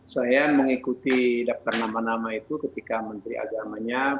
saya mengikuti daftar nama nama itu ketika menteri agamanya